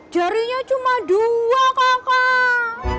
jarinya cuma dua kakak